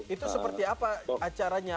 itu seperti apa acaranya